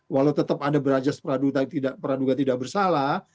walau tetap ada berajas peraduga tidak bersalah